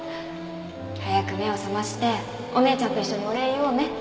早く目を覚ましてお姉ちゃんと一緒にお礼言おうね。